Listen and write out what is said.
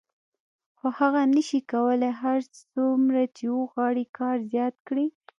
خو هغه نشي کولای هر څومره چې وغواړي کار زیات کړي